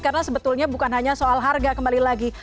karena sebetulnya bukan hanya soal harga kembali lagi